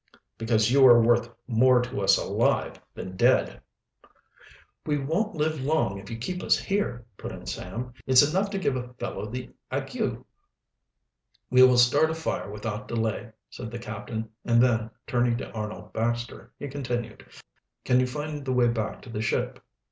"Because you are worth more to us alive than dead." "We won't live long if you keep us here," put in Sam. "It's enough to give a fellow the ague." "We will start a fire without delay," said the captain, and then, turning to Arnold Baxter, he continued: "Can you find the way back to the ship?"